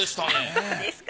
そうですか。